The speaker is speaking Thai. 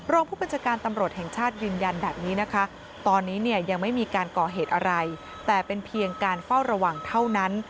รองผู้บัญชาการตำรวจแห่งชาติยืนยันแบบนี้นะคะตอนนี้เนี่ยยังไม่มีการก่อเหตุอะไรแต่เป็นเพียงการเฝ้าระวังเท่านั้น